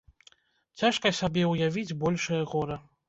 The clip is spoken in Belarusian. Цяжка сабе ўявіць большае гора.